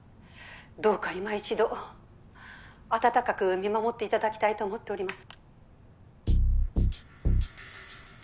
どうか今一度あたたかく見守って頂きたいと思っております。